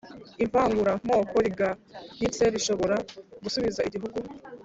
ivanguramoko rigayitse rishobora gusubiza igihugu